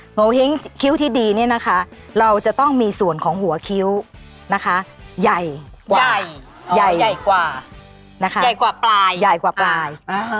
โหม่หิ้งคิ้วที่ดีนี่นะคะเราจะต้องมีส่วนของหัวคิ้วนะคะใหญ่กว่าใหญ่กว่าใหญ่กว่าปลาย